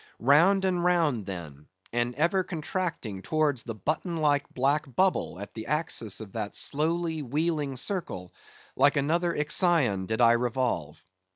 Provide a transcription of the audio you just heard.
Round and round, then, and ever contracting towards the button like black bubble at the axis of that slowly wheeling circle, like another Ixion I did revolve.